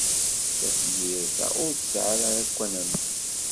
Tafyirt-a ur tesɛi ara akk anamek.